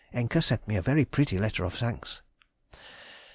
Encke sent me a very pretty letter of thanks.